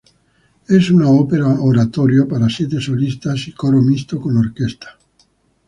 Es una ópera-oratorio para siete solistas y coro mixto con orquesta.